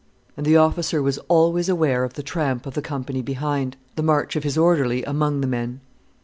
And the officer was always aware of the tramp of the company behind, the march of his orderly among the men.